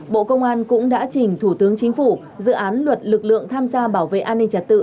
bộ công an cũng đã trình thủ tướng chính phủ dự án luật lực lượng tham gia bảo vệ an ninh trật tự